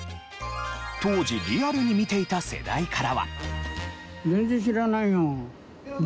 当時リアルに見ていた世代からは。